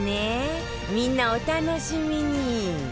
みんなお楽しみに！